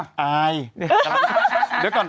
ไออ่านตัวก่อน